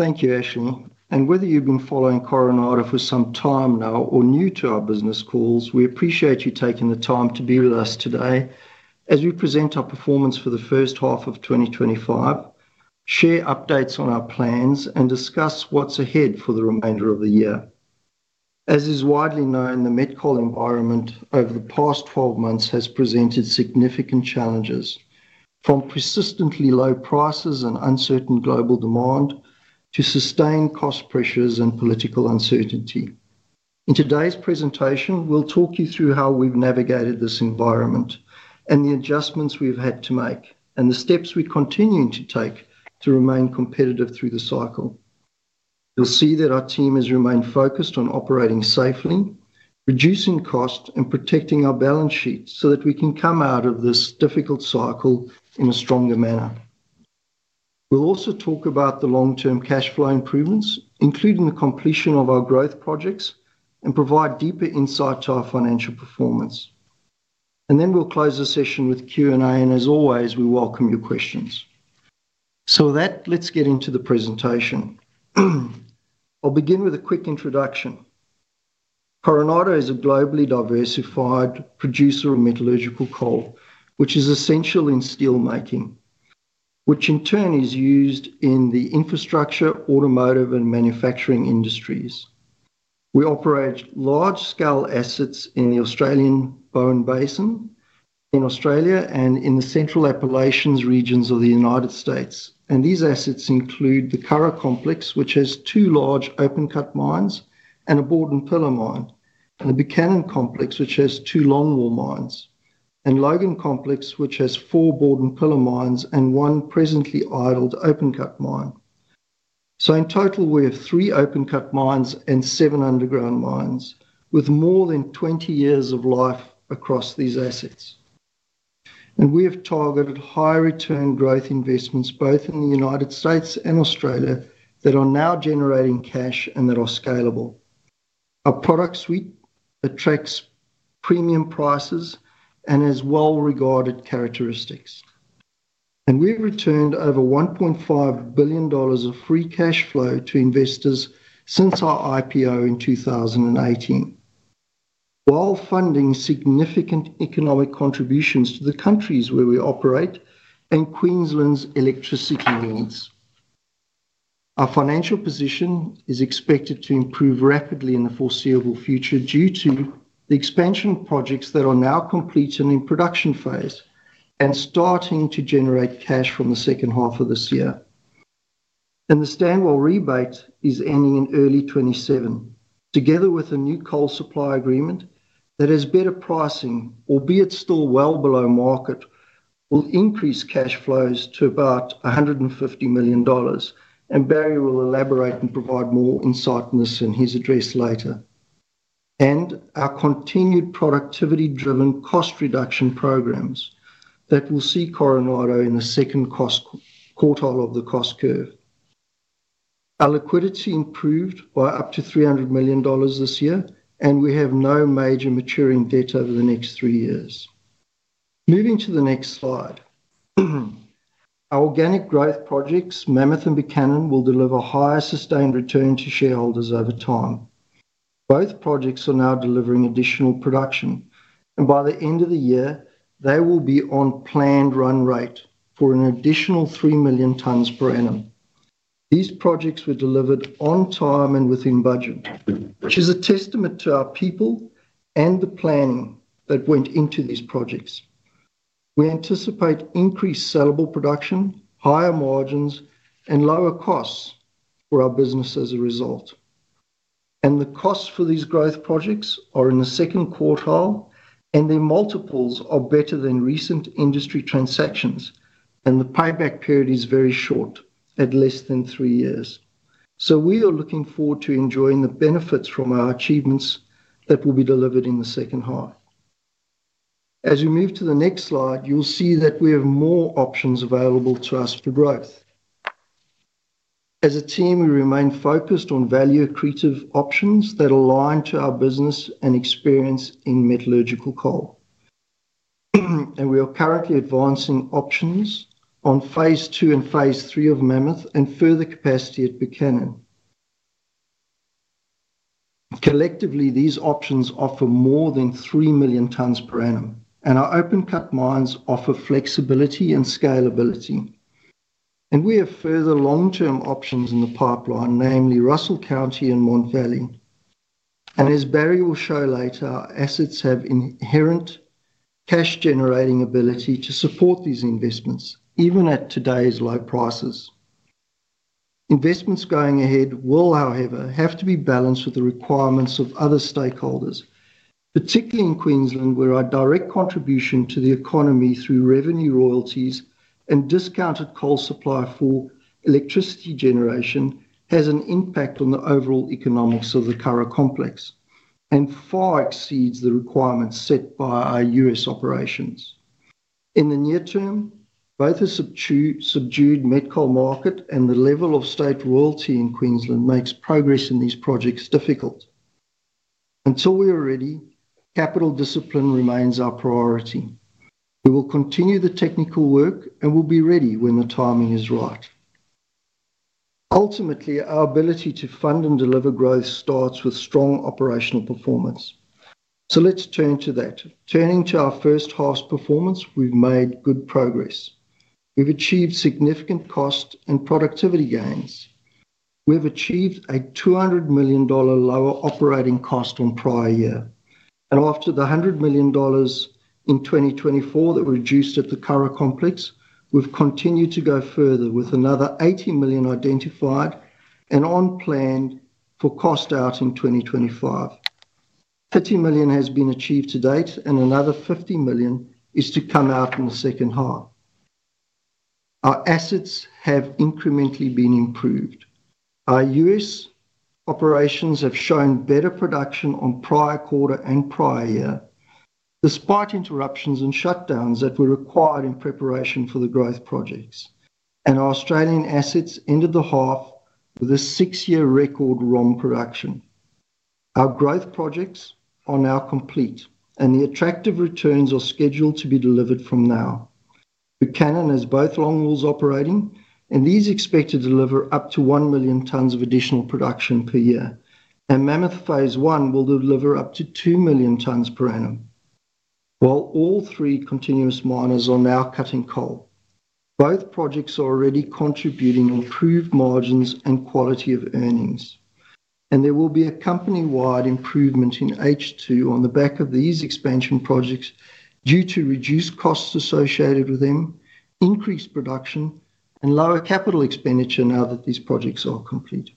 Thank you, Eshe. Whether you've been following Coronado Global Resources for some time now or are new to our business calls, we appreciate you taking the time to be with us today as we present our performance for the first half of 2025, share updates on our plans, and discuss what's ahead for the remainder of the year. As is widely known, the mid-cycle environment over the past 12 months has presented significant challenges, from persistently low prices and uncertain global demand to sustained cost pressures and political uncertainty. In today's presentation, we'll talk you through how we've navigated this environment, the adjustments we've had to make, and the steps we're continuing to take to remain competitive through the cycle. You'll see that our team has remained focused on operating safely, reducing costs, and protecting our balance sheet so that we can come out of this difficult cycle in a stronger manner. We'll also talk about the long-term cash flow improvements, including the completion of our growth projects, and provide deeper insight into our financial performance. We'll close the session with Q&A, and as always, we welcome your questions. With that, let's get into the presentation. I'll begin with a quick introduction. Coronado Global Resources is a globally diversified producer of metallurgical coal, which is essential in steelmaking, which in turn is used in the infrastructure, automotive, and manufacturing industries. We operate large-scale assets in the Bowen Basin in Australia and in the Central Appalachia regions of the United States. These assets include the Curragh complex, which has two large open-cut mines and a bord and pillar mine, the Buchanan complex, which has two longwall mines, and the Logan complex, which has four bord and pillar mines and one presently idled open-cut mine. In total, we have three open-cut mines and seven underground mines with more than 20 years of life across these assets. We have targeted high-return growth investments both in the United States and Australia that are now generating cash and that are scalable. Our product suite attracts premium prices and has well-regarded characteristics. We've returned over $1.5 billion of free cash flow to investors since our IPO in 2018, while funding significant economic contributions to the countries where we operate and Queensland's electricity needs. Our financial position is expected to improve rapidly in the foreseeable future due to the expansion projects that are now completed in the production phase and starting to generate cash from the second half of this year. The Stanwell rebate is ending in early 2027, together with a new coal supply agreement that has better pricing, albeit still well below market, will increase cash flows to about $150 million. Barrie will elaborate and provide more insight on this in his address later. Our continued productivity-driven cost reduction programs will see Coronado Global Resources in the second quartile of the cost curve. Our liquidity improved by up to $300 million this year, and we have no major maturing debt over the next three years. Moving to the next slide, our organic growth projects, Mammoth and Buchanan, will deliver higher sustained return to shareholders over time. Both projects are now delivering additional production, and by the end of the year, they will be on planned run rate for an additional 3 million tonnes per annum. These projects were delivered on time and within budget, which is a testament to our people and the planning that went into these projects. We anticipate increased sellable production, higher margins, and lower costs for our business as a result. The costs for these growth projects are in the second quartile, and their multiples are better than recent industry transactions, and the payback period is very short at less than three years. We are looking forward to enjoying the benefits from our achievements that will be delivered in the second half. As we move to the next slide, you'll see that we have more options available to us for growth. As a team, we remain focused on value-creative options that align to our business and experience in metallurgical coal. We are currently advancing options on phase II and phase III of Mammoth and further capacity at Buchanan. Collectively, these options offer more than 3 million tonnes per annum, and our open-cut mines offer flexibility and scalability. We have further long-term options in the pipeline, namely Russell County and Montgeley. As Barrie will show later, assets have inherent cash-generating ability to support these investments, even at today's low prices. Investments going ahead will, however, have to be balanced with the requirements of other stakeholders, particularly in Queensland, where our direct contribution to the economy through revenue, royalties, and discounted coal supply for electricity generation has an impact on the overall economics of the Curragh complex and far exceeds the requirements set by our U.S. operations. In the near term, both a subdued met coal market and the level of state royalty in Queensland make progress in these projects difficult. Until we are ready, capital discipline remains our priority. We will continue the technical work and will be ready when the timing is right. Ultimately, our ability to fund and deliver growth starts with strong operational performance. Let's turn to that. Turning to our first half's performance, we've made good progress. We've achieved significant cost and productivity gains. We've achieved a $200 million lower operating cost on prior year, and after the $100 million in 2024 that were reduced at the Curragh complex, we've continued to go further with another $80 million identified and on plan for cost out in 2025. $30 million has been achieved to date, and another $50 million is to come out in the second half. Our assets have incrementally been improved. Our U.S. operations have shown better production on prior quarter and prior year, despite interruptions and shutdowns that were required in preparation for the growth projects. Our Australian assets entered the half with a six-year record ROM production. Our growth projects are now complete, and the attractive returns are scheduled to be delivered from now. Buchanan has both longwalls operating, and these are expected to deliver up to 1 million tonnes of additional production per year. Mammoth phase I will deliver up to 2 million tonnes per annum, while all three continuous miners are now cutting coal. Both projects are already contributing on proved margins and quality of earnings. There will be a company-wide improvement in H2 on the back of these expansion projects due to reduced costs associated with them, increased production, and lower capital expenditure now that these projects are complete.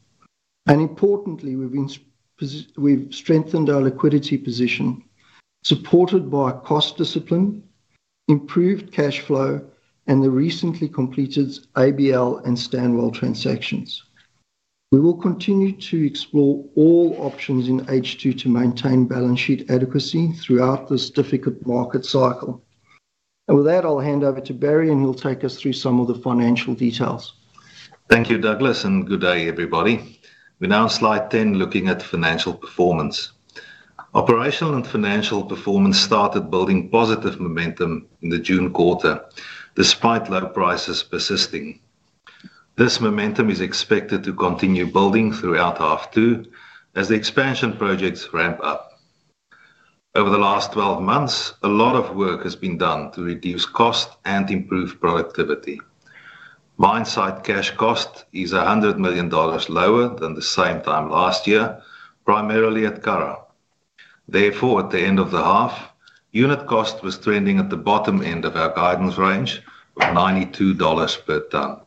Importantly, we've strengthened our liquidity position, supported by cost discipline, improved cash flow, and the recently completed ABL and standby transactions. We will continue to explore all options in H2 to maintain balance sheet adequacy throughout this difficult market cycle. With that, I'll hand over to Barrie, and he'll take us through some of the financial details. Thank you, Douglas, and good day, everybody. We're now on slide 10, looking at financial performance. Operational and financial performance started building positive momentum in the June quarter, despite low prices persisting. This momentum is expected to continue building throughout half two as the expansion projects ramp up. Over the last 12 months, a lot of work has been done to reduce cost and improve productivity. Mine site cash cost is $100 million lower than the same time last year, primarily at Curragh. Therefore, at the end of the half, unit cost was trending at the bottom end of our guidance range of $92 per ton.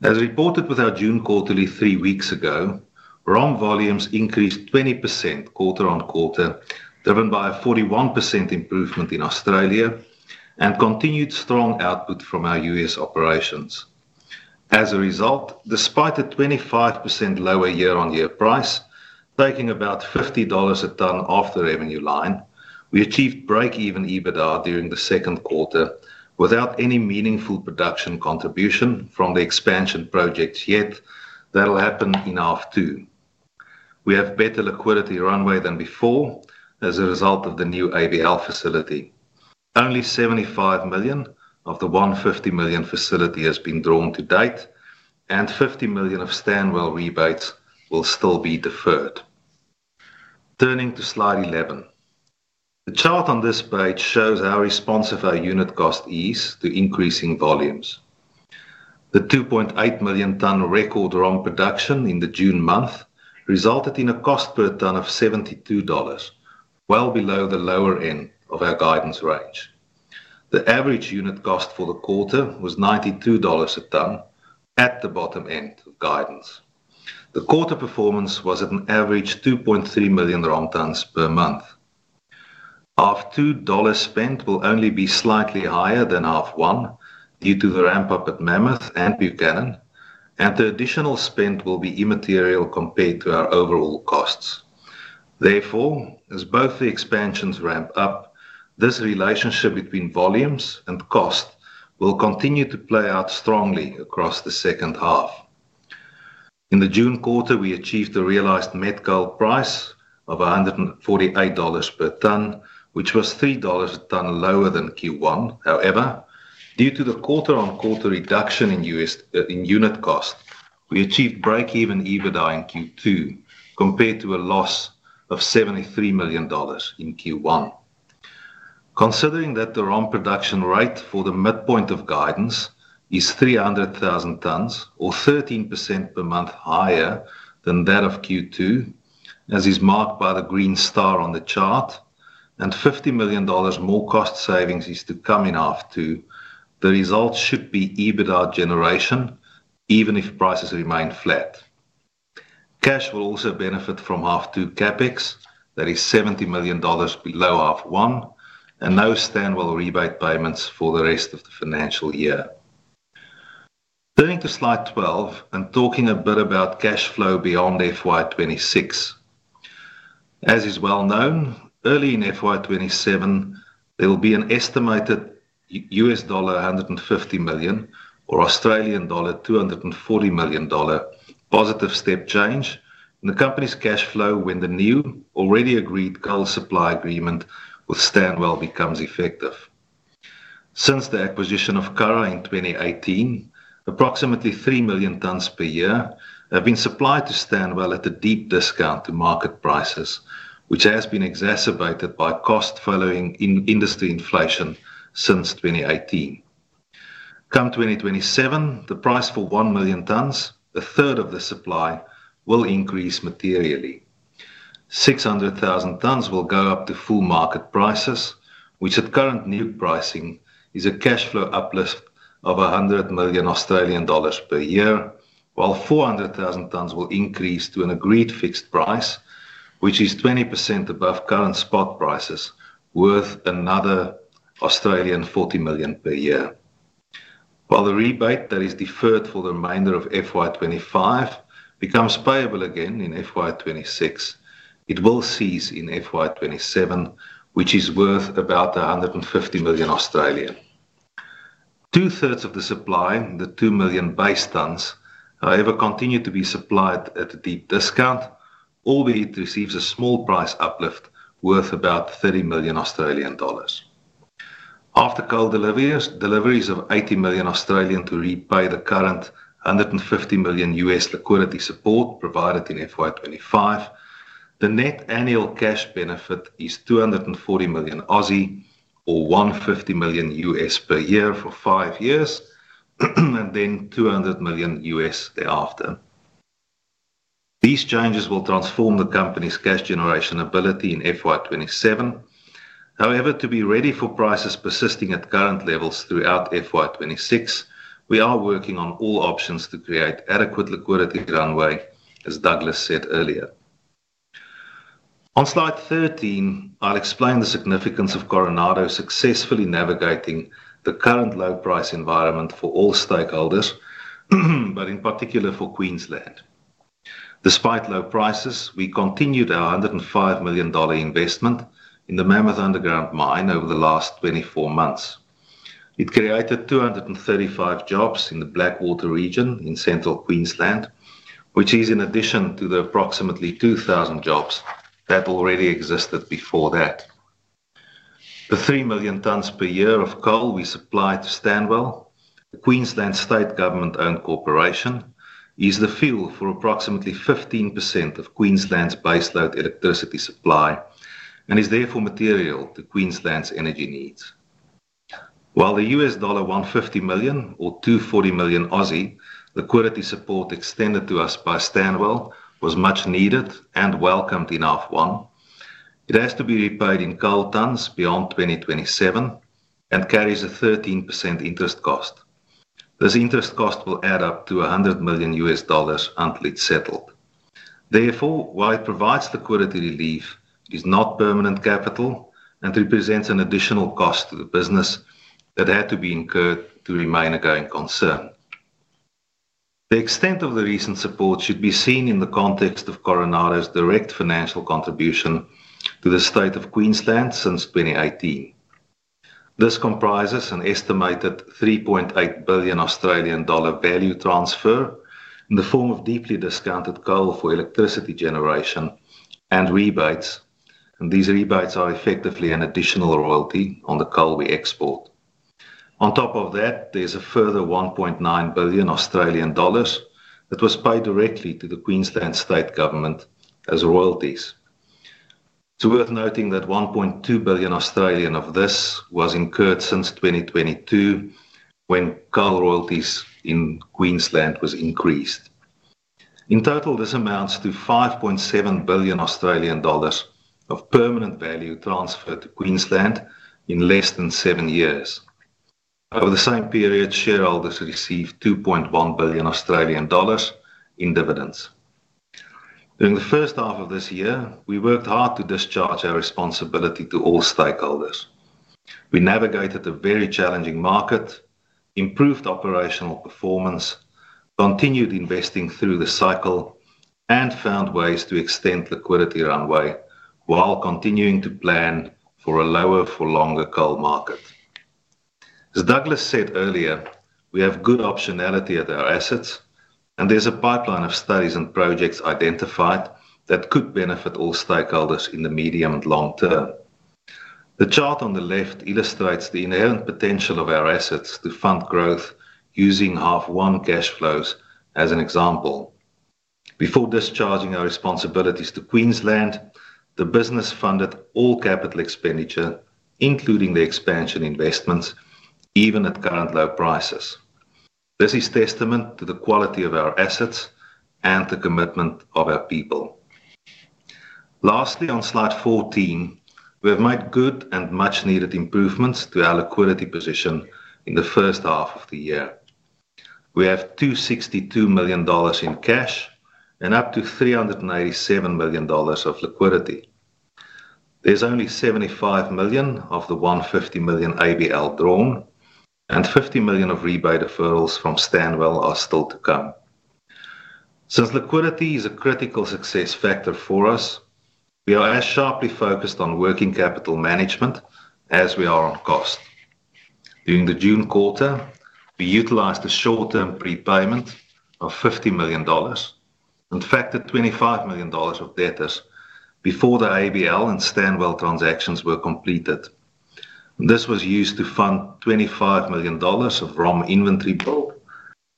As reported with our June quarterly three weeks ago, ROM volumes increased 20% quarter on quarter, driven by a 41% improvement in Australia and continued strong output from our U.S. operations. As a result, despite a 25% lower year-on-year price, taking about $50 a ton off the revenue line, we achieved break-even EBITDA during the second quarter without any meaningful production contribution from the expansion projects yet that'll happen in half two. We have better liquidity runway than before as a result of the new ABL facility. Only $75 million of the $150 million facility has been drawn to date, and $50 million of Stanwell rebates will still be deferred. Turning to slide 11, the chart on this page shows our response of our unit cost ease to increasing volumes. The 2.8 million ton record ROM production in the June month resulted in a cost per ton of $72, well below the lower end of our guidance range. The average unit cost for the quarter was $92 a ton at the bottom end of guidance. The quarter performance was at an average of 2.3 million ROM tons per month. Half two dollars spent will only be slightly higher than half one due to the ramp-up at Mammoth and Buchanan, and the additional spend will be immaterial compared to our overall costs. Therefore, as both the expansions ramp up, this relationship between volumes and cost will continue to play out strongly across the second half. In the June quarter, we achieved a realized mid-call price of $148 per ton, which was $3 a ton lower than Q1. However, due to the quarter-on-quarter reduction in unit cost, we achieved break-even EBITDA in Q2 compared to a loss of $73 million in Q1. Considering that the ROM production rate for the midpoint of guidance is 300,000 tonnes, or 13% per month higher than that of Q2, as is marked by the green star on the chart, and $50 million more cost savings is to come in half two, the results should be EBITDA generation even if prices remain flat. Cash will also benefit from half two CapEx, that is $70 million below half one, and no Stanwell rebate payments for the rest of the financial year. Turning to slide 12 and talking a bit about cash flow beyond FY 2026. As is well known, early in FY 2027, there will be an estimated $150 million or 240 million dollar positive step change in the company's cash flow when the new already agreed coal supply agreement with Stanwell becomes effective. Since the acquisition of Curragh in 2018, approximately 3 million tons per year have been supplied to Stanwell at a deep discount to market prices, which has been exacerbated by cost following industry inflation since 2018. Come 2027, the price for 1 million tons, a third of the supply, will increase materially. 600,000 tons will go up to full market prices, which at current new pricing is a cash flow uplift of 100 million Australian dollars per year, while 400,000 tons will increase to an agreed fixed price, which is 20% above current spot prices, worth another 40 million per year. While the rebate that is deferred for the remainder of FY 2025 becomes payable again in FY 2026, it will cease in FY 2027, which is worth about 150 million. Two-thirds of the supply, the 2 million base tonnes, however, continue to be supplied at a deep discount, albeit receives a small price uplift worth about 30 million Australian dollars. After coal deliveries of 80 million to repay the current $150 million liquidity support provided in FY 2025, the net annual cash benefit is 240 million or $150 million per year for five years, and then $200 million thereafter. These changes will transform the company's cash generation ability in FY 2027. However, to be ready for prices persisting at current levels throughout FY 2026, we are working on all options to create adequate liquidity runway, as Douglas said earlier. On slide 13, I'll explain the significance of Coronado successfully navigating the current low-price environment for all stakeholders, but in particular for Queensland. Despite low prices, we continued our $105 million investment in the Mammoth underground mine over the last 24 months. It created 235 jobs in the Blackwater region in Central Queensland, which is in addition to the approximately 2,000 jobs that already existed before that. The 3 million tonnes per year of coal we supply to Stanwell, the Queensland State Government-owned corporation, is the fuel for approximately 15% of Queensland's baseload electricity supply and is therefore material to Queensland's energy needs. While the $150 million or 240 million liquidity support extended to us by Stanwell was much needed and welcomed in half one, it has to be repaid in coal tonnes beyond 2027 and carries a 13% interest cost. This interest cost will add up to $100 million until it's settled. Therefore, while it provides liquidity relief, it is not permanent capital and represents an additional cost to the business that had to be incurred to remain a going concern. The extent of the recent support should be seen in the context of Coronado direct financial contribution to the state of Queensland since 2018. This comprises an estimated 3.8 billion Australian dollar value transfer in the form of deeply discounted coal for electricity generation and rebates, and these rebates are effectively an additional royalty on the coal we export. On top of that, there's a further 1.9 billion Australian dollars that was paid directly to the Queensland State Government as royalties. It's worth noting that 1.2 billion of this was incurred since 2022 when coal royalties in Queensland were increased. In total, this amounts to 5.7 billion Australian dollars of permanent value transferred to Queensland in less than seven years. Over the same period, shareholders received 2.1 billion Australian dollars in dividends. During the first half of this year, we worked hard to discharge our responsibility to all stakeholders. We navigated a very challenging market, improved operational performance, continued investing through the cycle, and found ways to extend liquidity runway while continuing to plan for a lower for longer coal market. As Douglas said earlier, we have good optionality at our assets, and there's a pipeline of studies and projects identified that could benefit all stakeholders in the medium and long term. The chart on the left illustrates the inherent potential of our assets to fund growth using half one cash flows as an example. Before discharging our responsibilities to Queensland, the business funded all capital expenditure, including the expansion investments, even at current low prices. This is a testament to the quality of our assets and the commitment of our people. Lastly, on slide 14, we've made good and much-needed improvements to our liquidity position in the first half of the year. We have $262 million in cash and up to $387 million of liquidity. There's only $75 million of the $150 million ABL facility drawn, and $50 million of rebate referrals from Stanwell are still to come. Since liquidity is a critical success factor for us, we are as sharply focused on working capital management as we are on cost. During the June quarter, we utilized a short-term prepayment of $50 million, in fact, at $25 million of debtors before the ABL facility and Stanwell transactions were completed. This was used to fund $25 million of ROM inventory build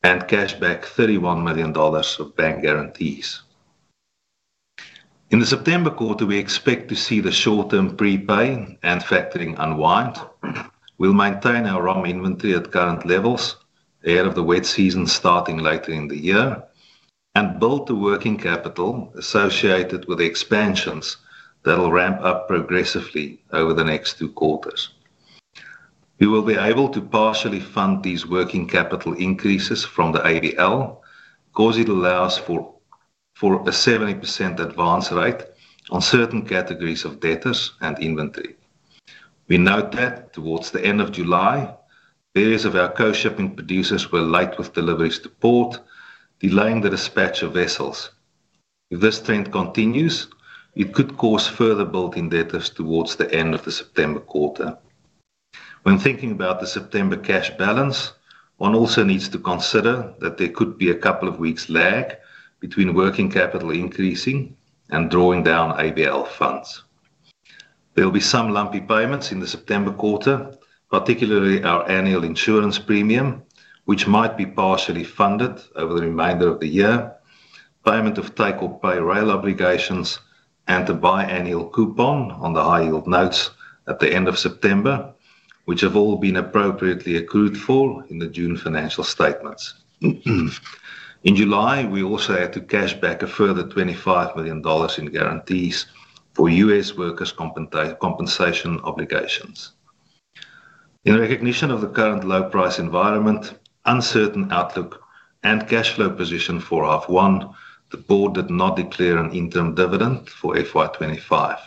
and cash back $31 million of bank guarantees. In the September quarter, we expect to see the short-term prepay and factoring unwind. We'll maintain our ROM inventory at current levels ahead of the wet season starting later in the year and build the working capital associated with expansions that'll ramp up progressively over the next two quarters. We will be able to partially fund these working capital increases from the ABL facility, because it allows for a 70% advance rate on certain categories of debtors and inventory. We note that towards the end of July, areas of our coal shipping producers were late with deliveries to port, delaying the dispatch of vessels. If this trend continues, it could cause further building debtors towards the end of the September quarter. When thinking about the September cash balance, one also needs to consider that there could be a couple of weeks' lag between working capital increasing and drawing down ABL facility funds. There'll be some lumpy payments in the September quarter, particularly our annual insurance premium, which might be partially funded over the remainder of the year, payment of takeoff pay rail obligations, and a biannual coupon on the high-yield notes at the end of September, which have all been appropriately accrued for in the June financial statements. In July, we also had to cash back a further $25 million in guarantees for U.S. workers' compensation obligations. In recognition of the current low-price environment, uncertain outlook, and cash flow position for half one, the Board did not declare an interim dividend for FY 2025.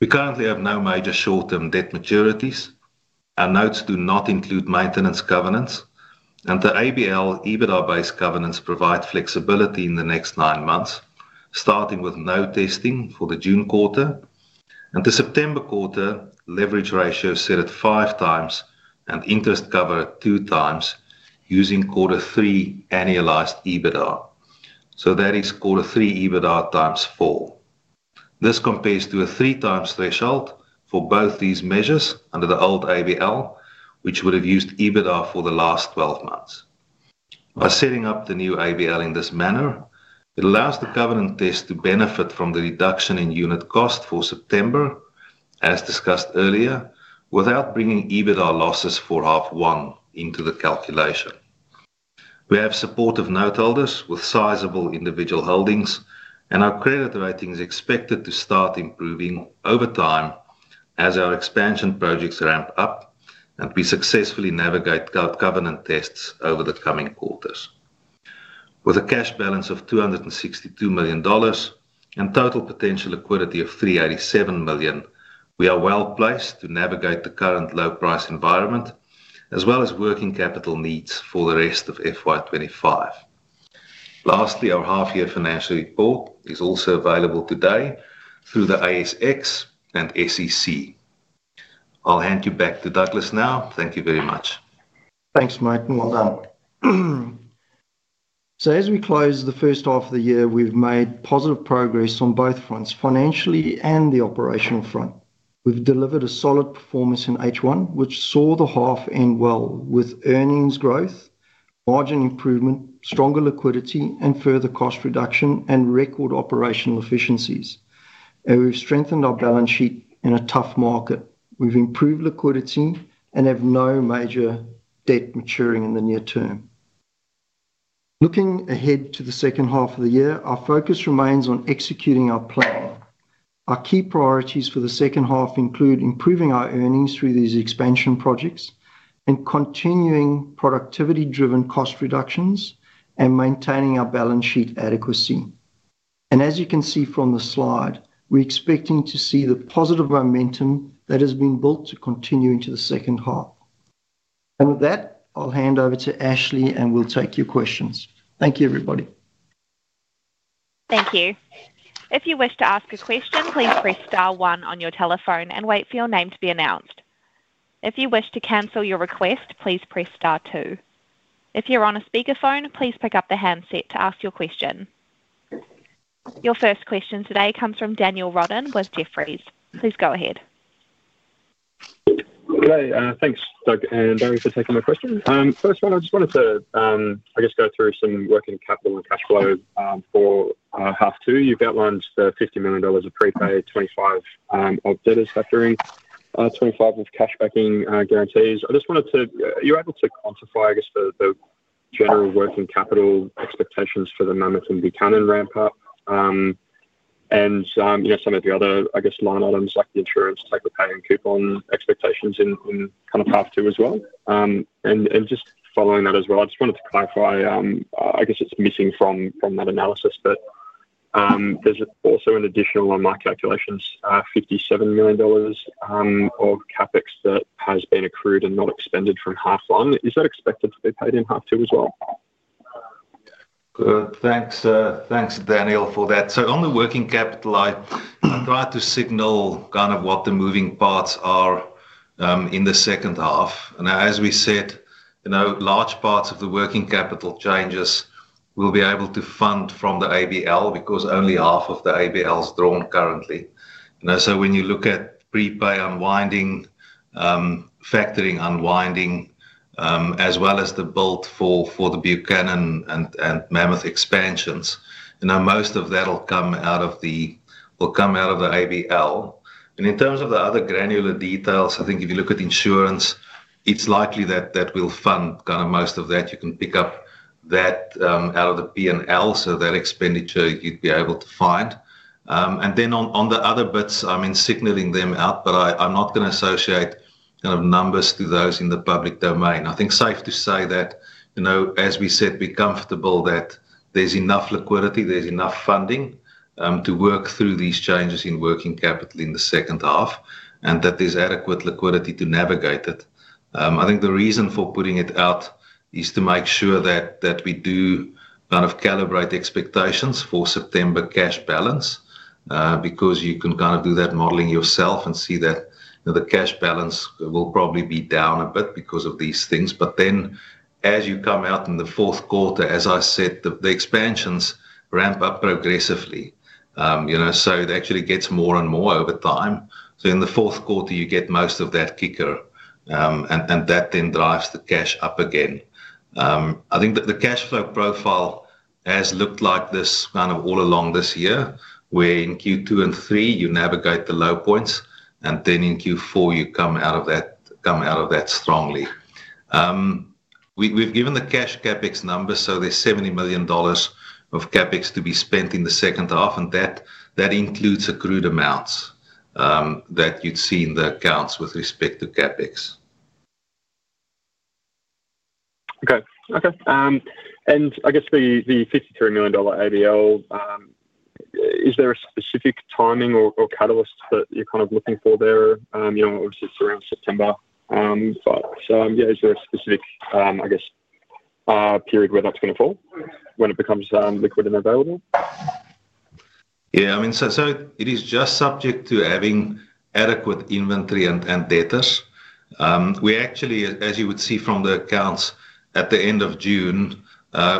We currently have no major short-term debt maturities. Our notes do not include maintenance covenants, and the ABL EBITDA-based covenants provide flexibility in the next nine months, starting with no testing for the June quarter. The September quarter leverage ratio is set at 5x and interest cover at 2x using quarter three annualized EBITDA, which is quarter three EBITDA times 4. This compares to a 3x threshold for both these measures under the old ABL, which would have used EBITDA for the last 12 months. By setting up the new ABL in this manner, it allows the covenant test to benefit from the reduction in unit cost for September, as discussed earlier, without bringing EBITDA losses for half one into the calculation. We have supportive noteholders with sizable individual holdings, and our credit rating is expected to start improving over time as our expansion projects ramp up and we successfully navigate covenant tests over the coming quarters. With a cash balance of $262 million and total potential liquidity of $387 million, we are well placed to navigate the current low-price environment as well as working capital needs for the rest of FY 2025. Lastly, our half-year financial report is also available today through the ASX and SEC. I'll hand you back to Douglas now. Thank you very much. Thanks, Mike, and well done. As we close the first half of the year, we've made positive progress on both fronts, financially and the operational front. We've delivered a solid performance in H1, which saw the half end well with earnings growth, margin improvement, stronger liquidity, further cost reduction, and record operational efficiencies. We've strengthened our balance sheet in a tough market. We've improved liquidity and have no major debt maturing in the near term. Looking ahead to the second half of the year, our focus remains on executing our plan. Our key priorities for the second half include improving our earnings through these expansion projects, continuing productivity-driven cost reductions, and maintaining our balance sheet adequacy. As you can see from the slide, we're expecting to see the positive momentum that has been built to continue into the second half. With that, I'll hand over to Ashley, and we'll take your questions. Thank you, everybody. Thank you. If you wish to ask a question, please press star one on your telephone and wait for your name to be announced. If you wish to cancel your request, please press star two. If you're on a speakerphone, please pick up the handset to ask your question. Your first question today comes from Daniel Roden with Jefferies. Please go ahead. Great. Thanks, Doug and Barrie, for taking my question. First, I just wanted to, I guess, go through some working capital and cash flow for half two. You've outlined $50 million of prepay, $25 million of debtors factoring, $25 million of cash backing guarantees. I just wanted to, are you able to quantify, I guess, the general working capital expectations for the Mammoth and Buchanan ramp-up and, you know, some of the other, I guess, line items like the insurance, takeoff pay and coupon expectations in kind of half two as well? Just following that as well, I just wanted to clarify, I guess it's missing from that analysis, but there's also an additional, on my calculations, $57 million of CapEx that has been accrued and not expended from half one. Is that expected to be paid in half two as well? Thanks, Daniel, for that. On the working capital, I tried to signal kind of what the moving parts are in the second half. As we said, large parts of the working capital changes will be able to fund from the ABL because only half of the ABL is drawn currently. When you look at prepay unwinding, factoring unwinding, as well as the build for the Buchanan and Mammoth expansions, most of that will come out of the ABL. In terms of the other granular details, I think if you look at the insurance, it's likely that that will fund kind of most of that. You can pick up that out of the P&L, so that expenditure you'd be able to find. On the other bits, I mean, signaling them out, but I'm not going to associate kind of numbers to those in the public domain? I think it's safe to say that, as we said, we're comfortable that there's enough liquidity, there's enough funding to work through these changes in working capital in the second half, and that there's adequate liquidity to navigate it. The reason for putting it out is to make sure that we do kind of calibrate expectations for September cash balance because you can kind of do that modeling yourself and see that the cash balance will probably be down a bit because of these things. As you come out in the fourth quarter, as I said, the expansions ramp up progressively, so it actually gets more and more over time. In the fourth quarter, you get most of that kicker, and that then drives the cash up again. I think the cash flow profile has looked like this kind of all along this year, where in Q2 and Q3, you navigate the low points, and in Q4, you come out of that strongly. We've given the cash CapEx numbers, so there's $70 million of CapEx to be spent in the second half, and that includes accrued amounts that you'd see in the accounts with respect to CapEx. Okay. I guess the $53 million ABL, is there a specific timing or catalyst that you're kind of looking for there? Obviously, it's around September. Is there a specific period where that's going to fall when it becomes liquid and available? It is just subject to having adequate inventory and debtors. As you would see from the accounts, at the end of June,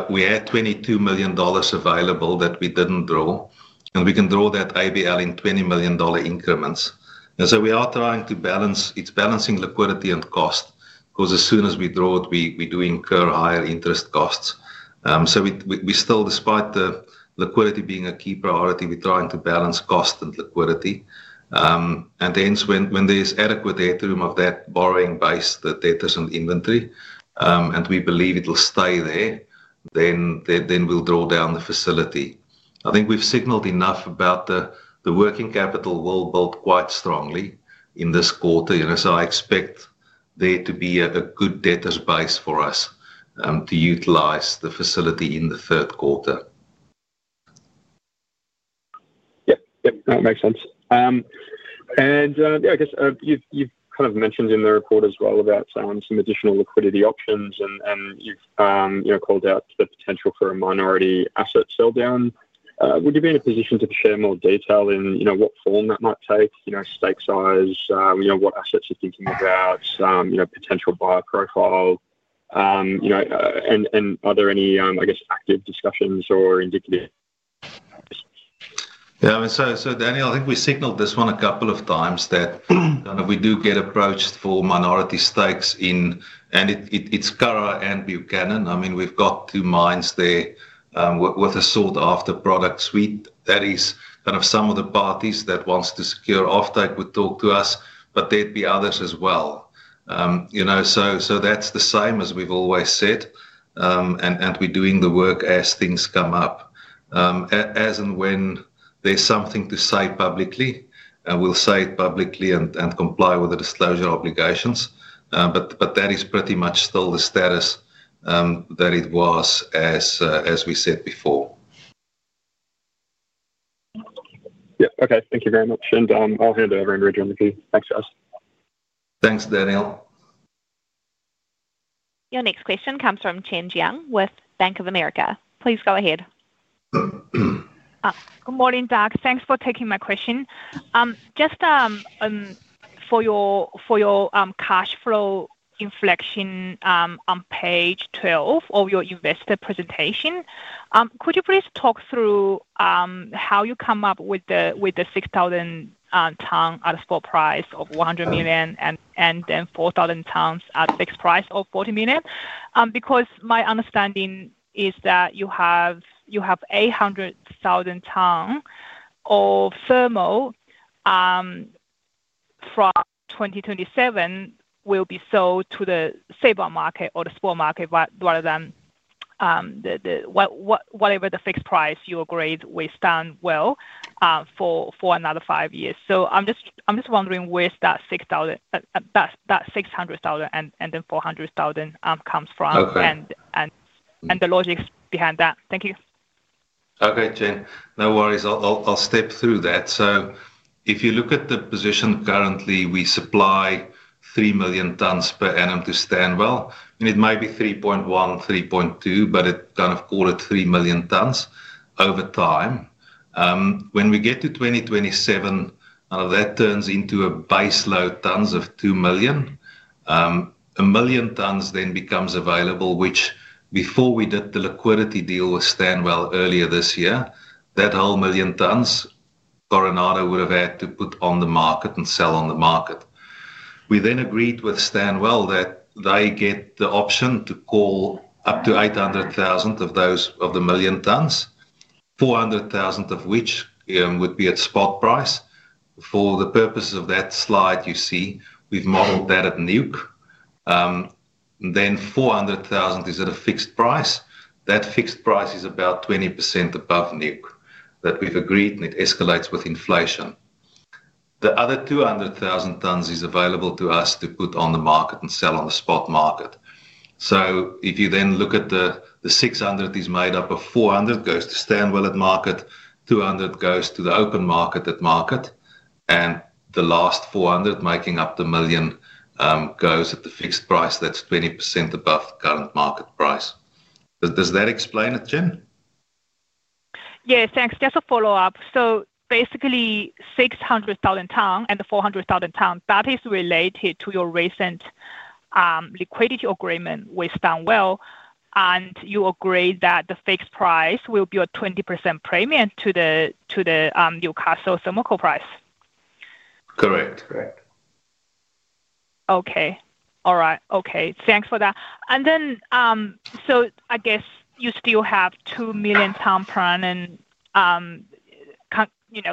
we had $22 million available that we didn't draw. We can draw that ABL in $20 million increments. We are trying to balance liquidity and cost because as soon as we draw it, we do incur higher interest costs. Despite the liquidity being a key priority, we're trying to balance cost and liquidity. When there's adequate availability of that borrowing-based debtors and inventory, and we believe it'll stay there, we'll draw down the facility. I think we've signaled enough about the working capital we'll build quite strongly in this quarter. I expect there to be a good debtors base for us to utilize the facility in the third quarter. That makes sense. I guess you've kind of mentioned in the report as well about some additional liquidity options, and you've called out the potential for a minority asset sell down. Would you be in a position to share more detail in what form that might take, you know, stake size, what assets you're thinking about, potential buyer profile? Are there any, I guess, active discussions or indicative? Yeah, I mean, Daniel, I think we signaled this one a couple of times that we do get approached for minority stakes in, and it's Curragh and Buchanan. I mean, we've got two mines there with a sought-after product suite. Some of the parties that want to secure offtake would talk to us, but there'd be others as well. That's the same as we've always said, and we're doing the work as things come up. As and when there's something to say publicly, we'll say it publicly and comply with the disclosure obligations. That is pretty much still the status that it was as we said before. Yeah, okay. Thank you very much. I'll hand it over, Andrew, on the key. Thanks, guys. Thanks, Daniel. Your next question comes from Qing Chang with Bank of America. Please go ahead. Good morning, Doug. Thanks for taking my question. Just for your cash flow inflection on page 12 of your investor presentation, could you please talk through how you come up with the 6,000 tons at a spot price of $100 million and then 4,000 tons at a fixed price of $40 million? My understanding is that you have 800,000 tons of thermal from 2027 will be sold to the sale-bar market or the spot market rather than whatever the fixed price you agreed with Stanwell for another five years. I'm just wondering where that $600,000 and then $400,000 comes from and the logic behind that. Thank you. Okay, Qing. No worries. I'll step through that. If you look at the position currently, we supply 3 million tons per annum to Stanwell, and it might be 3.1, 3.2, but it kind of quoted 3 million tons over time. When we get to 2027, that turns into a baseload tons of 2 million. A million tons then becomes available, which before we did the liquidity deal with Stanwell earlier this year, that whole million tons Coronado would have had to put on the market and sell on the market. We then agreed with Stanwell that they get the option to call up to 800,000 of those of the million tons, 400,000 of which would be at spot price. For the purposes of that slide, you see, we've modeled that at Nuke. Then 400,000 is at a fixed price. That fixed price is about 20% above Nuke that we've agreed, and it escalates with inflation. The other 200,000 tons is available to us to put on the market and sell on the spot market. If you then look at the 600, it is made up of 400 goes to Stanwell at market, 200 goes to the open market at market, and the last 400 making up the million goes at the fixed price. That's 20% above current market price. Does that explain it, Qing? Yes, thanks. Just a follow-up. Basically, 600,000 tons and the 400,000 tons, that is related to your recent liquidity agreement with Stanwell, and you agreed that the fixed price will be a 20% premium to the Newcastle thermal coal price. Correct. Correct. Okay. All right. Okay. Thanks for that. I guess you still have 2 million tons planned and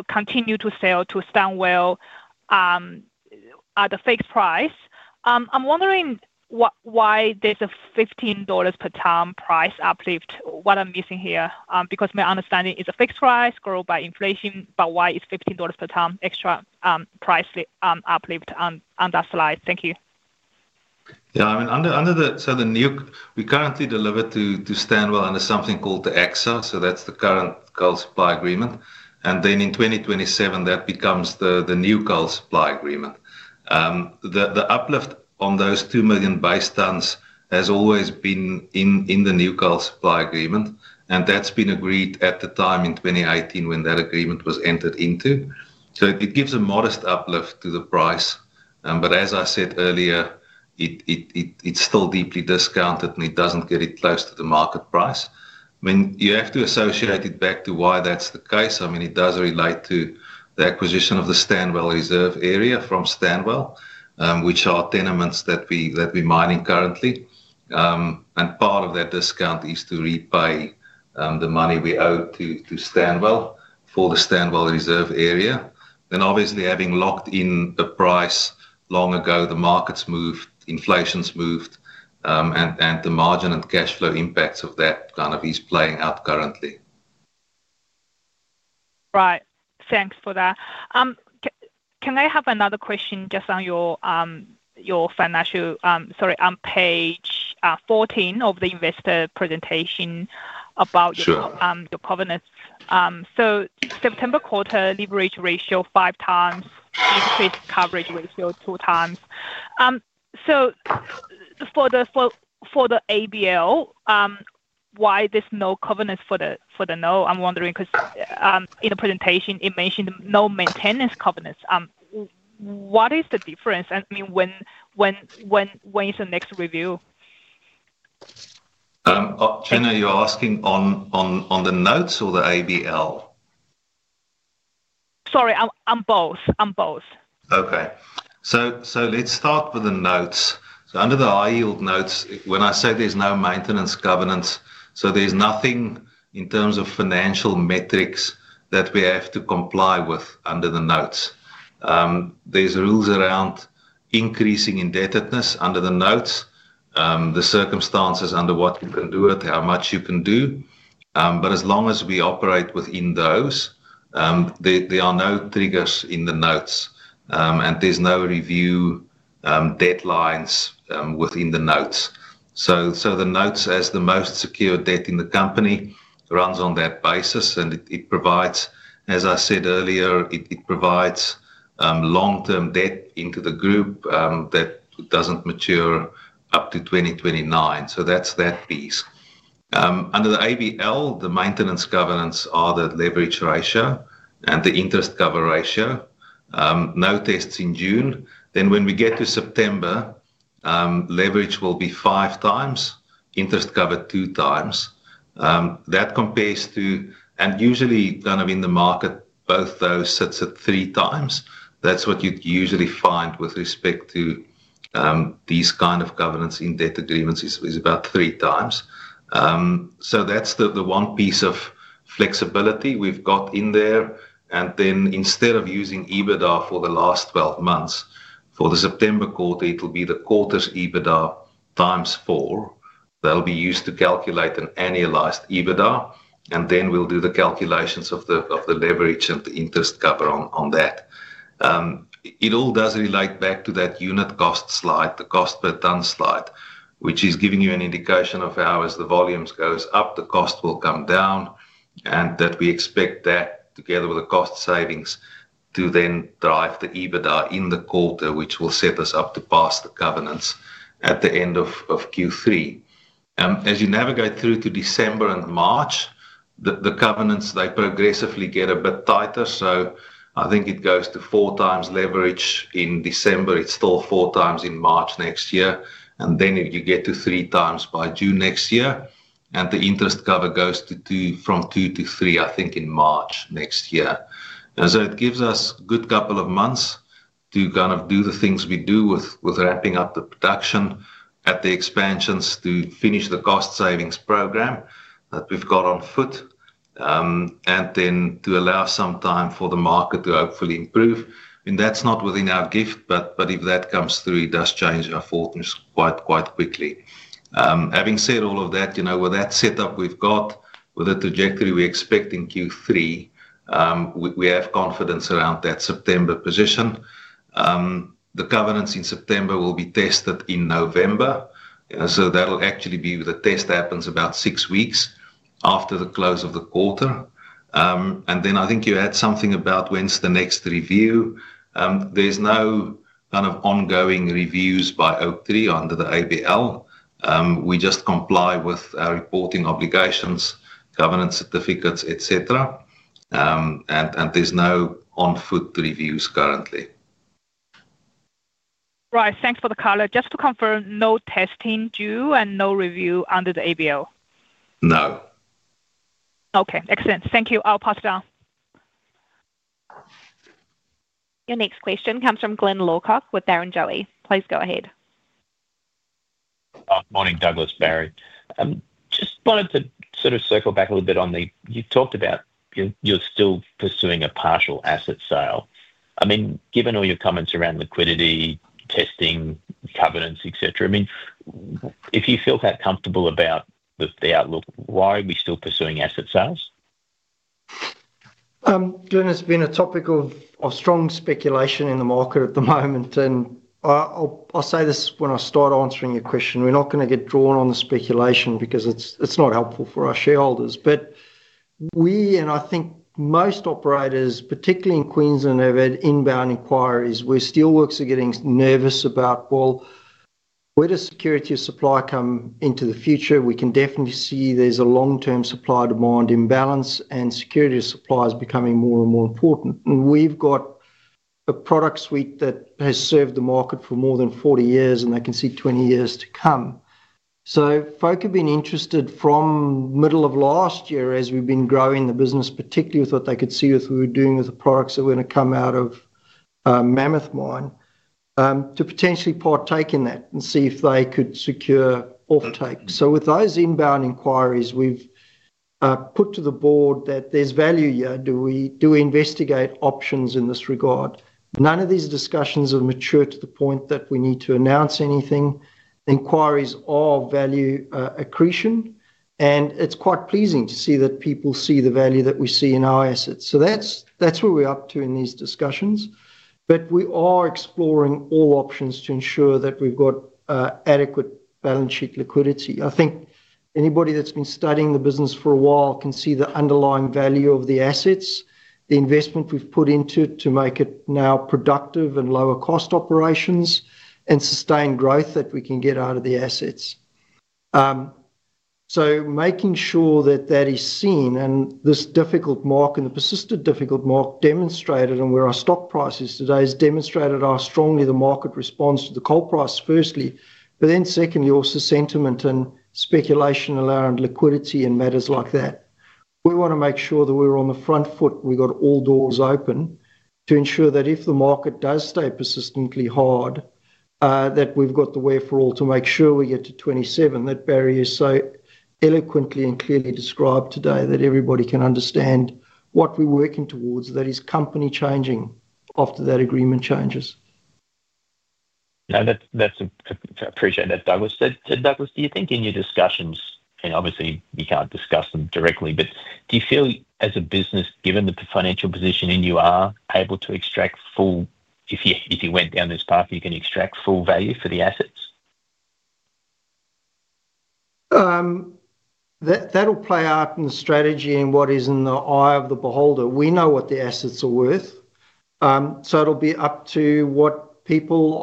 continue to sell to Stanwell at a fixed price. I'm wondering why there's a $15 per ton price uplift. What am I missing here? Because my understanding is a fixed price grows by inflation, but why is there a $15 per ton extra price uplift on that slide? Thank you. Yeah, I mean, under the, so the new, we currently deliver to Stanwell under something called the XL, so that's the current coal supply agreement. In 2027, that becomes the new coal supply agreement. The uplift on those 2 million base tons has always been in the new coal supply agreement, and that's been agreed at the time in 2018 when that agreement was entered into. It gives a modest uplift to the price, but as I said earlier, it's still deeply discounted, and it doesn't get it close to the market price. You have to associate it back to why that's the case. It does relate to the acquisition of the Stanwell Reserve area from Stanwell, which are tenements that we're mining currently. Part of that discount is to repay the money we owe to Stanwell for the Stanwell Reserve area. Obviously, having locked in the price long ago, the market's moved, inflation's moved, and the margin and cash flow impacts of that kind of is playing out currently. Right. Thanks for that. Can I have another question just on your financial, on page 14 of the investor presentation about your covenants? Sure. September quarter leverage ratio five times, negative coverage ratio two times. For the ABL, why there's no covenants for the NO? I'm wondering because in the presentation, it mentioned no maintenance covenants. What is the difference? I mean, when is the next review? Qing, are you asking on the notes or the ABL facility? Sorry, on both. On both. Okay. Let's start with the notes. Under the high-yield notes, when I say there's no maintenance covenants, there's nothing in terms of financial metrics that we have to comply with under the notes. There are rules around increasing indebtedness under the notes, the circumstances under which you can do it, how much you can do. As long as we operate within those, there are no triggers in the notes, and there's no review deadlines within the notes. The notes, as the most secure debt in the company, run on that basis, and it provides, as I said earlier, long-term debt into the group that doesn't mature up to 2029. That's that piece. Under the ABL facility, the maintenance covenants are the leverage ratio and the interest cover ratio. No tests in June. When we get to September, leverage will be five times, interest cover two times. That compares to, and usually in the market, both those sets are three times. That's what you'd usually find with respect to these kinds of covenants in debt agreements, about three times. That's the one piece of flexibility we've got in there. Instead of using EBITDA for the last 12 months, for the September quarter, it'll be the quarter's EBITDA times four. That'll be used to calculate an annualized EBITDA, and then we'll do the calculations of the leverage and the interest cover on that. It all does relate back to that unit cost slide, the cost per ton slide, which is giving you an indication of how as the volumes go up, the cost will come down, and we expect that together with the cost savings to then drive the EBITDA in the quarter, which will set us up to pass the covenants at the end of Q3. As you navigate through to December and March, the covenants progressively get a bit tighter. I think it goes to four times leverage in December. It's still four times in March next year. Then you get to three times by June next year, and the interest cover goes from two to three, I think, in March next year. It gives us a good couple of months to do the things we do with ramping up the production at the expansions, to finish the cost savings program that we've got on foot, and to allow some time for the market to hopefully improve. That's not within our gift, but if that comes through, it does change our thought quite quickly. Having said all of that, with that setup we've got, with the trajectory we expect in Q3, we have confidence around that September position. The covenants in September will be tested in November. That actually means the test happens about six weeks after the close of the quarter. I think you asked something about when's the next review. There's no kind of ongoing reviews by Q3 under the ABL facility. We just comply with our reporting obligations, governance certificates, et cetera. There's no on-foot reviews currently. Right. Thanks for the color. Just to confirm, no testing due and no review under the ABL facility. No. Okay. Excellent. Thank you. I'll pass it on. Your next question comes from Glyn Lawcock with Barrenjoey. Please go ahead. Morning, Douglas, Barrie. I just wanted to sort of circle back a little bit on the you talked about you're still pursuing a partial asset sale. I mean, given all your comments around liquidity, testing, covenants, etc., I mean, if you feel that comfortable about the outlook, why are we still pursuing asset sales? Glen has been a topic of strong speculation in the market at the moment. I'll say this when I start answering your question. We're not going to get drawn on the speculation because it's not helpful for our shareholders. We, and I think most operators, particularly in Queensland, have had inbound inquiries. We're still working on getting nervous about, well, where does security of supply come into the future? We can definitely see there's a long-term supply-demand imbalance and security of supply is becoming more and more important. We've got a product suite that has served the market for more than 40 years, and they can see 20 years to come. Folk have been interested from the middle of last year as we've been growing the business, particularly with what they could see with what we were doing with the products that were going to come out of Mammoth expansion, to potentially partake in that and see if they could secure offtake. With those inbound inquiries, we've put to the board that there's value here. Do we investigate options in this regard? None of these discussions have matured to the point that we need to announce anything. Inquiries are value accretion, and it's quite pleasing to see that people see the value that we see in our assets. That's where we're up to in these discussions. We are exploring all options to ensure that we've got adequate balance sheet liquidity. I think anybody that's been studying the business for a while can see the underlying value of the assets, the investment we've put into it to make it now productive and lower cost operations, and sustained growth that we can get out of the assets. Making sure that that is seen in this difficult market and the persistent difficult market demonstrated and where our stock price is today demonstrated how strongly the market responds to the coal price firstly, but then secondly also sentiment and speculation around liquidity and matters like that. We want to make sure that we're on the front foot and we've got all doors open to ensure that if the market does stay persistently hard, we've got the wherewithal to make sure we get to 2027. That Barrie has so eloquently and clearly described today that everybody can understand what we're working towards that is company changing after that agreement changes. Yeah, that's appreciated, Douglas. Douglas, do you think in your discussions, and obviously we can't discuss them directly, but do you feel as a business, given the financial positioning, you are able to extract full, if you went down this path, you can extract full value for the assets? That'll play out in the strategy and what is in the eye of the beholder. We know what the assets are worth. It will be up to what people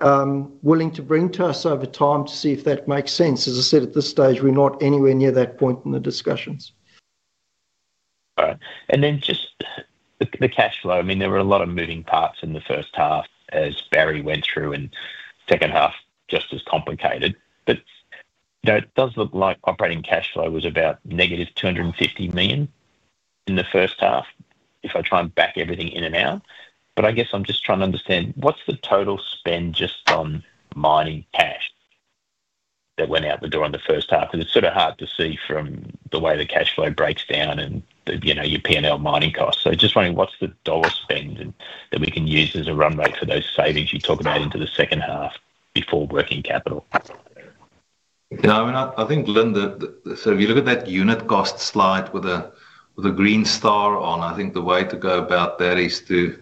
are willing to bring to us over time to see if that makes sense. As I said, at this stage, we're not anywhere near that point in the discussions. There were a lot of moving parts in the first half as Barrie Van Der Merwe went through, and the second half is just as complicated. It does look like operating cash flow was about -$250 million in the first half if I try and back everything in and out. I guess I'm just trying to understand what's the total spend just on mining cash that went out the door in the first half. It's sort of hard to see from the way the cash flow breaks down and your P&L mining costs. I'm just wondering what's the dollar spend that we can use as a runway for those savings you talk about into the second half before working capital. Yeah, I mean, I think, Glyn, if you look at that unit cost slide with a green star on, I think the way to go about that is to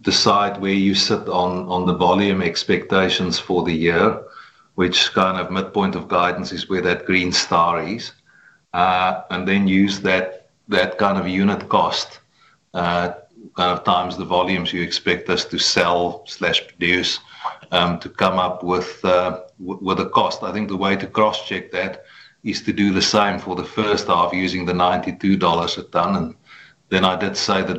decide where you sit on the volume expectations for the year, which midpoint of guidance is where that green star is, and then use that unit cost times the volumes you expect us to sell or produce to come up with a cost. I think the way to cross-check that is to do the same for the first half using the $92 a ton. I did say the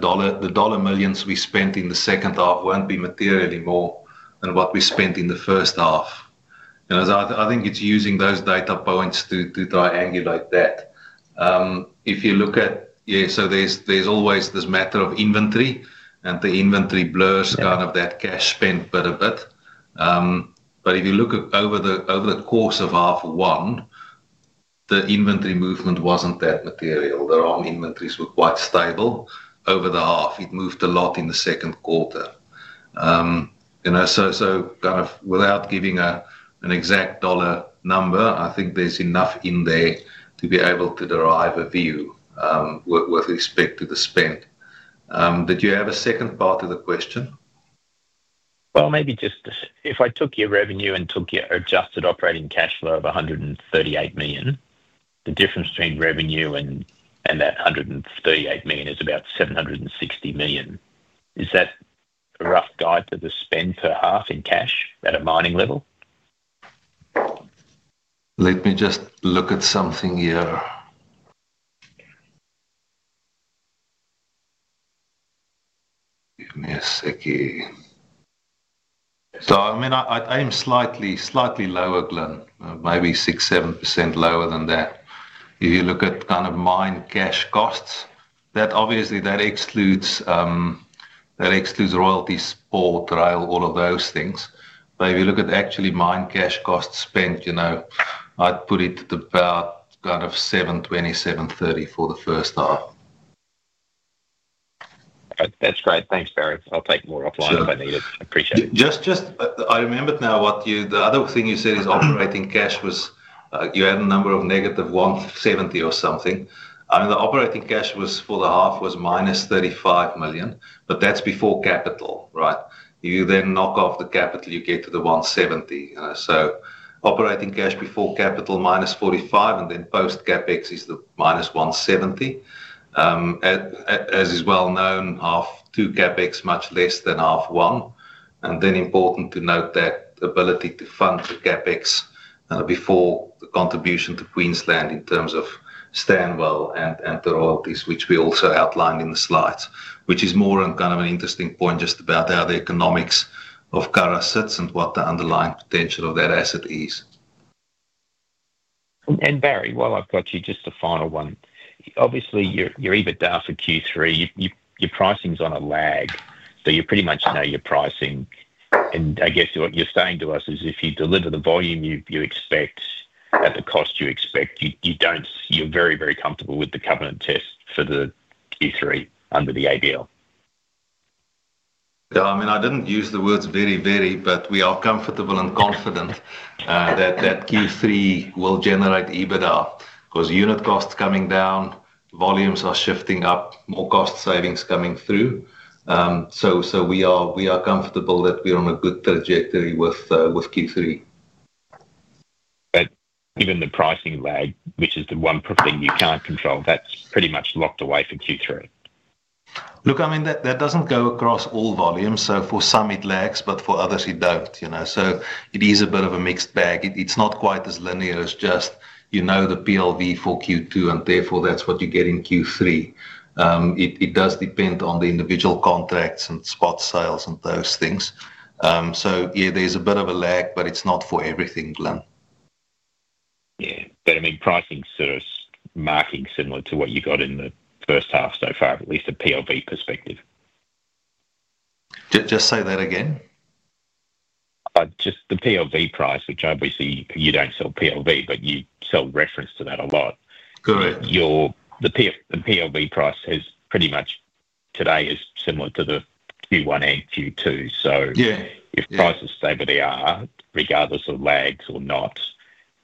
dollar millions we spent in the second half won't be materially more than what we spent in the first half. I think it's using those data points to triangulate that. If you look at it, there's always this matter of inventory, and the inventory blurs that cash spend quite a bit. If you look over the course of half one, the inventory movement wasn't that material. The ROM inventories were quite stable over the half. It moved a lot in the second quarter. Without giving an exact dollar number, I think there's enough in there to be able to derive a view with respect to the spend. Did you have a second part of the question? If I took your revenue and took your adjusted operating cash flow of $138 million, the difference between revenue and that $138 million is about $760 million. Is that a rough guide to the spend per half in cash at a mining level? Let me just look at something here. Give me a second. I am slightly lower, Glyn, maybe 6%, 7% lower than that. If you look at kind of mine cash costs, that obviously excludes royalties, port, rail, all of those things. If you look at actually mine cash costs spent, you know, I'd put it at about $720, $730 for the first half. That's great. Thanks, Barrie. I'll take more offline if I need it. I appreciate it. I remembered now what you, the other thing you said is operating cash was you had a number of -$170 million or something. I mean, the operating cash was for the half was -$35 million, but that's before capital, right? If you then knock off the capital, you get to the $170 million. Operating cash before capital -$45 million, and then post CapEx is the -$170 million. As is well known, half two CapEx much less than half one. It's important to note that ability to fund the CapEx before the contribution to Queensland in terms of Stanwell and the royalties, which we also outlined in the slides, which is more kind of an interesting point just about how the economics of Curragh sits and what the underlying potential of that asset is. Barrie, while I've got you, just a final one. Obviously, your EBITDA for Q3, your pricing's on a lag. You pretty much know your pricing. I guess what you're saying to us is if you deliver the volume you expect at the cost you expect, you're very, very comfortable with the covenant test for Q3 under the ABL. Yeah, I mean, I didn't use the words very, very, but we are comfortable and confident that Q3 will generate EBITDA because unit costs are coming down, volumes are shifting up, more cost savings coming through. We are comfortable that we're on a good trajectory with Q3. Even the pricing lag, which is the one thing you can't control, that's pretty much locked away for Q3. Look, that doesn't go across all volumes. For some, it lags, but for others, it does. It is a bit of a mixed bag. It's not quite as linear as just, you know, the PLV for Q2, and therefore that's what you get in Q3. It does depend on the individual contracts and spot sales and those things. There's a bit of a lag, but it's not for everything, Glyn. Yeah, I mean, pricing serves marking similar to what you got in the first half so far, at least a PLV perspective. Just say that again. Just the PLV price, which obviously you don't sell PLV, but you sell reference to that a lot. Correct. The PLV price has pretty much today is similar to the Q1 and Q2. If prices stay where they are, regardless of lags or not,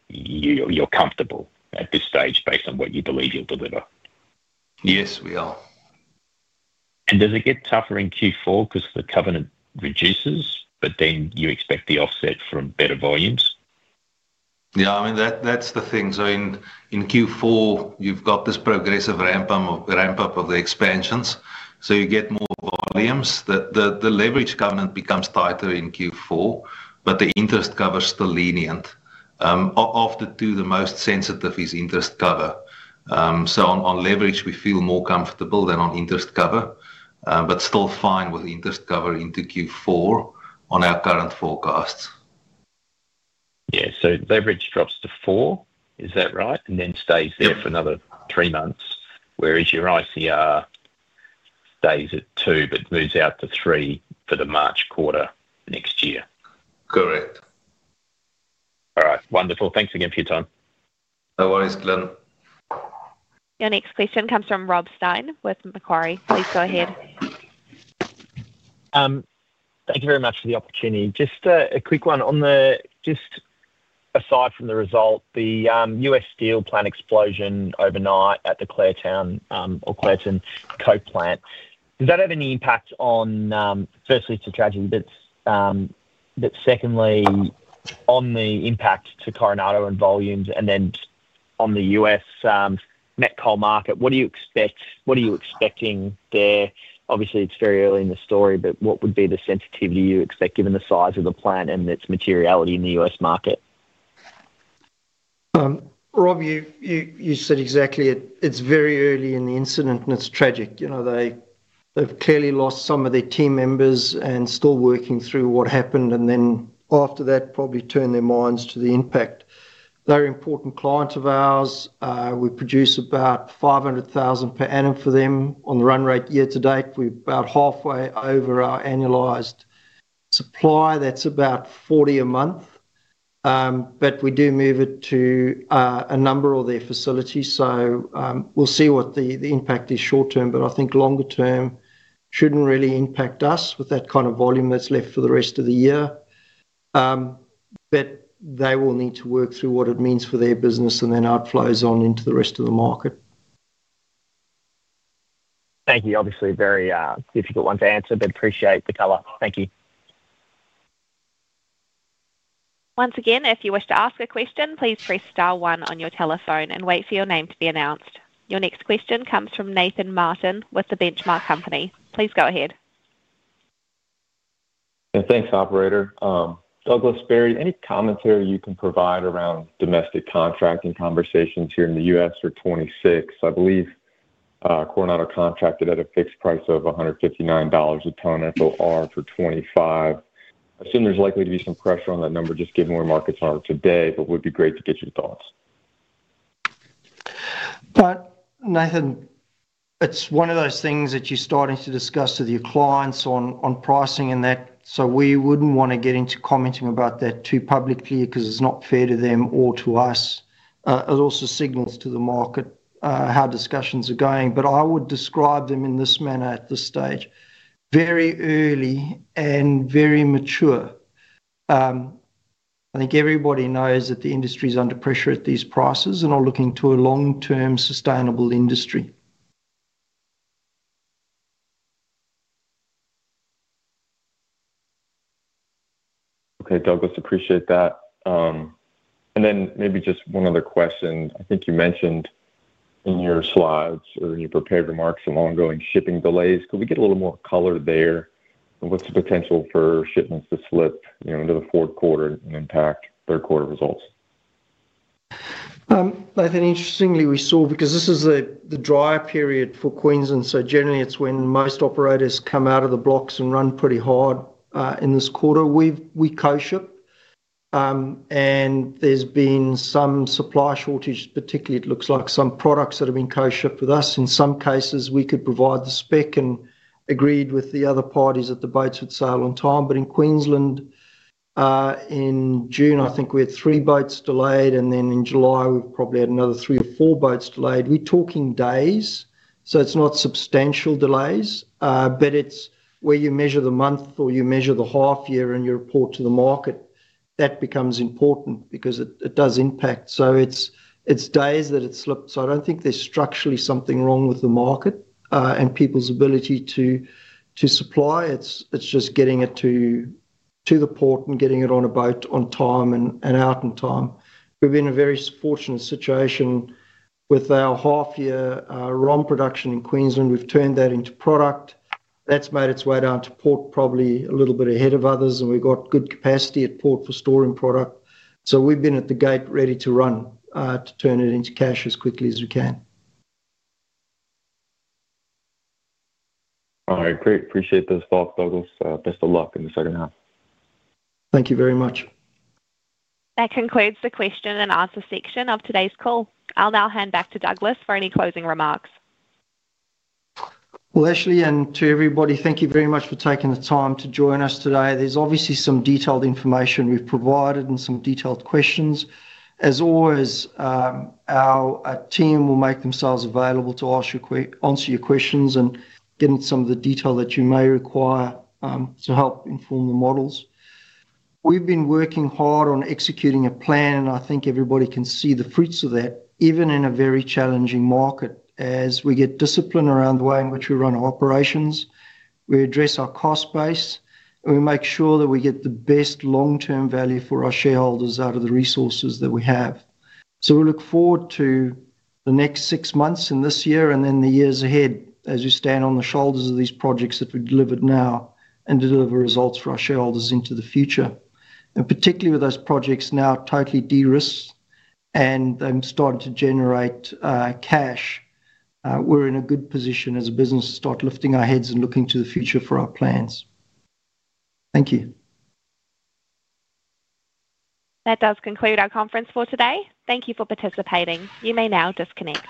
you're comfortable at this stage based on what you believe you'll deliver. Yes, we are. Does it get tougher in Q4 because the covenant reduces, but then you expect the offset from better volumes? Yeah, I mean, that's the thing. In Q4, you've got this progressive ramp-up of the expansions, so you get more volumes. The leverage covenant becomes tighter in Q4, but the interest cover is still lenient. Of the two, the most sensitive is interest cover. On leverage, we feel more comfortable than on interest cover, but still fine with interest cover into Q4 on our current forecasts. Yeah, so leverage drops to 4, is that right? Then stays there for another three months, whereas your ICR stays at 2, but moves out to 3 for the March quarter next year. Correct. All right. Wonderful. Thanks again for your time. No worries, Glen. Your next question comes from Rob Stein with Macquarie. Please go ahead. Thank you very much for the opportunity. Just a quick one, aside from the result, the U.S. steel plant explosion overnight at the Clairton Cokel plant, does that have any impact on, firstly, it's a tragedy, but secondly, on the impact to Coronado and volumes, and then on the U.S. met coal market? What do you expect? What are you expecting there? Obviously, it's very early in the story, but what would be the sensitivity you expect given the size of the plant and its materiality in the U.S. market? Rob, you said exactly it. It's very early in the incident and it's tragic. They've clearly lost some of their team members and are still working through what happened. After that, they'll probably turn their minds to the impact. They're important clients of ours. We produce about 500,000 per annum for them on the run rate year to date. We're about halfway over our annualized supply. That's about 40,000 a month. We do move it to a number of their facilities. We'll see what the impact is short term. I think longer term shouldn't really impact us with that kind of volume that's left for the rest of the year. They will need to work through what it means for their business and then outflows on into the rest of the market. Thank you. Obviously, very difficult one to answer, but appreciate the cover. Thank you. Once again, if you wish to ask a question, please press star one on your telephone and wait for your name to be announced. Your next question comes from Nathan Martin with The Benchmark Company. Please go ahead. Thank you, operator. Douglas, Barrie, any commentary you can provide around domestic contracting conversations here in the U.S. for 2026? I believe Coronado contracted at a fixed price of $159 a ton annualized for 2025. I assume there's likely to be some pressure on that number just given where markets are today, but it would be great to get your thoughts. Nathan, it's one of those things that you're starting to discuss with your clients on pricing and that. We wouldn't want to get into commenting about that too publicly because it's not fair to them or to us. It also signals to the market how discussions are going. I would describe them in this manner at this stage, very early and very mature. I think everybody knows that the industry is under pressure at these prices and are looking to a long-term sustainable industry. Okay, Douglas, appreciate that. Maybe just one other question. I think you mentioned in your slides or in your prepared remarks some ongoing shipping delays. Could we get a little more color there? What's the potential for shipments to slip into the fourth quarter and impact third quarter results? Nathan, interestingly, we saw because this is the drier period for Queensland. Generally, it's when most operators come out of the blocks and run pretty hard in this quarter. We co-ship and there's been some supply shortage, particularly it looks like some products that have been co-shipped with us. In some cases, we could provide the spec and agreed with the other parties that the boats would sail on time. In Queensland, in June, I think we had three boats delayed, and in July, we probably had another three to four boats delayed. We're talking days, so it's not substantial delays, but it's where you measure the month or you measure the half year and you report to the market. That becomes important because it does impact. It's days that it slips. I don't think there's structurally something wrong with the market and people's ability to supply. It's just getting it to the port and getting it on a boat on time and out on time. We've been in a very fortunate situation with our half-year ROM production in Queensland. We've turned that into product. That's made its way down to port probably a little bit ahead of others, and we've got good capacity at port for storing product. We've been at the gate ready to run to turn it into cash as quickly as we can. All right, great. Appreciate those thoughts, Douglas. Best of luck in the second half. Thank you very much. That concludes the question and answer section of today's call. I'll now hand back to Douglas for any closing remarks. Ashley, and to everybody, thank you very much for taking the time to join us today. There is obviously some detailed information we've provided and some detailed questions. As always, our team will make themselves available to answer your questions and get into some of the detail that you may require to help inform the models. We've been working hard on executing a plan, and I think everybody can see the fruits of that, even in a very challenging market. As we get discipline around the way in which we run our operations, we address our cost base, and we make sure that we get the best long-term value for our shareholders out of the resources that we have. We look forward to the next six months in this year and then the years ahead as we stand on the shoulders of these projects that we've delivered now and to deliver results for our shareholders into the future. Particularly with those projects now totally de-risked and they've started to generate cash, we're in a good position as a business to start lifting our heads and looking to the future for our plans. Thank you. That does conclude our conference for today. Thank you for participating. You may now disconnect.